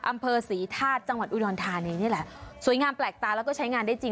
อำเภอศรีธาตุจังหวัดอุดรธานีนี่แหละสวยงามแปลกตาแล้วก็ใช้งานได้จริง